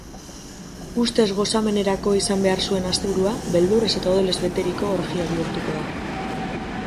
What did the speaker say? Ustez gozamenerako izan behar zuen asteburua beldurrez eta odolez beteriko orgia bihurtuko da.